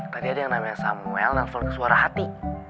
tadi ada yang namanya samuel nelfon suara hati